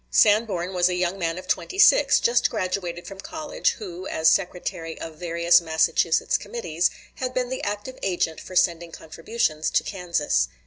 Sanborn was a young man of twenty six, just graduated from college, who, as secretary of various Massachusetts committees, had been the active agent for sending contributions to Kansas.